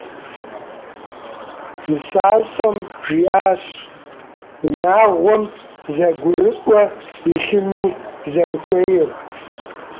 НысащӀэм жиӀащ унагъуэм зэгурыӀуэ илъыну зэрыхуейр.